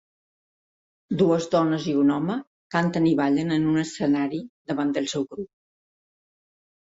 Dues dones i un home canten i ballen en un escenari davant del seu grup.